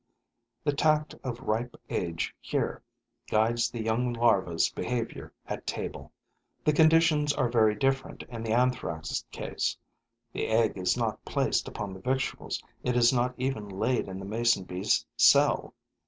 The tact of ripe age here guides the young larva's behavior at table. The conditions are very different in the Anthrax' case. The egg is not placed upon the victuals, it is not even laid in the mason bee's cell.